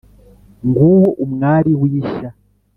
Nguwo umwari w’ishya,